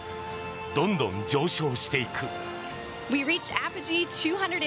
どんどん上昇していく。